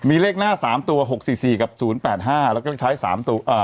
มีเลขหน้าสามตัวหกสี่สี่กับศูนย์แปดห้าแล้วก็เลขท้ายสามตัวอ่า